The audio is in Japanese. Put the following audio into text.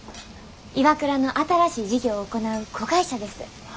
ＩＷＡＫＵＲＡの新しい事業を行う子会社です。